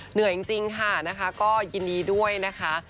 เหนื่อยจริงค่ะนะคะก็ยินดีด้วยนะคะ